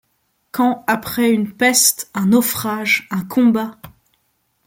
Quand, après une peste, un naufrage, un combat